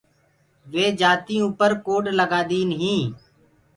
وي جآتيٚنٚ اوپر ڪوڊ لگآ دينيٚ۔